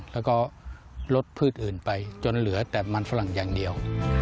แล้วก็ลดพืชอื่นไปจนเหลือแต่มันฝรั่งอย่างเดียว